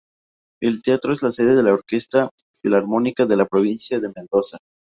El teatro es la sede de la Orquesta Filarmónica de la Provincia de Mendoza.